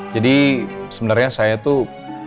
jadi sebenarnya saya tuh